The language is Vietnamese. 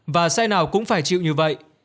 và xe nào cũng phải chịu như vậy